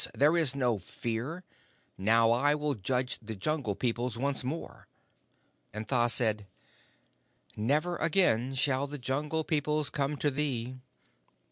There is no Fear. Now I will judge the Jungle Peoples once more." "And Tha said: 'Never again shall the Jungle Peoples come to thee.